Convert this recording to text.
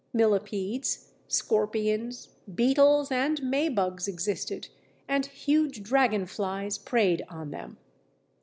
Millipedes, scorpions, beetles and maybugs existed, and huge dragonflies preyed on them.